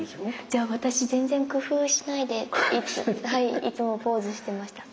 じゃあ私全然工夫しないでいつもポーズしてました。